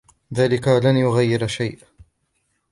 ذلك لن يغير شيء.